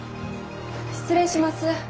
失礼します。